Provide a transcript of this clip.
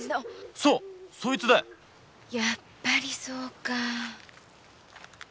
そうそいつだやっぱりそうか。